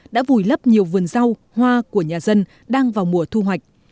đã vùi lấp nhiều vườn rau hoa của nhà dân đang vào mùa thu hoạch